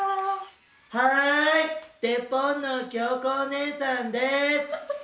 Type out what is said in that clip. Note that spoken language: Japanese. はいデ・ポンのきよこおねえさんです。